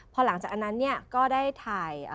พอหลังจากอันนั้นเนี่ยก็ได้ถ่าย